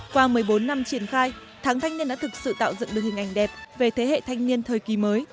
qua một mươi bốn năm triển khai tháng thanh niên đã thực sự tạo dựng được hình ảnh đẹp về thế hệ thanh niên thời kỳ mới